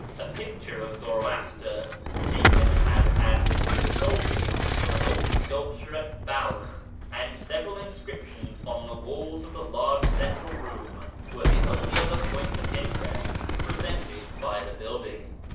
A picture of Zoroaster (taken, as Ardashir told me, from an old sculpture at Balkh), and several inscriptions on the walls of the large central room, were the only other points of interest presented by the building.